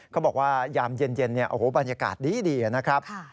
เขาบอกว่ายามเย็นบรรยากาศดีนะครับ